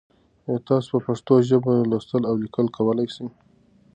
ایا تاسو په پښتو ژبه لوستل او لیکل کولای سئ؟